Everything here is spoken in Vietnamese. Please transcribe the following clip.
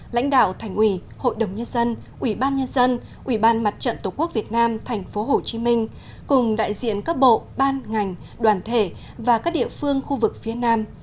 lãnh đạo thành ủy hội đồng nhân dân ủy ban nhân dân ủy ban mặt trận tổ quốc việt nam tp hcm cùng đại diện các bộ ban ngành đoàn thể và các địa phương khu vực phía nam